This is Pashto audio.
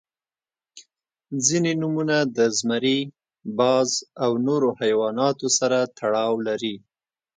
• ځینې نومونه د زمری، باز او نور حیواناتو سره تړاو لري.